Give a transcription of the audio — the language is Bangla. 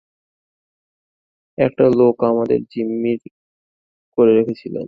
একটা লোক আমাকে জিম্মি করে রেখেছিল।